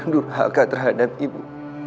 duhaga terhadap ibu